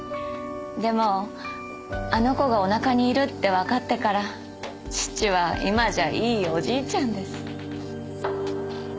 でもあの子がおなかにいるってわかってから父は今じゃあいいおじいちゃんです。